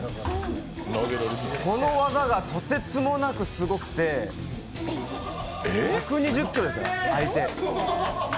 この技がとてつもなくすごくて１２０ｋｇですよ、相手。